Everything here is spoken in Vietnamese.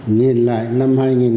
nhìn lại năm hai nghìn hai mươi một